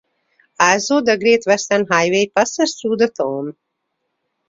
Also, the Great Western Highway passes through the town.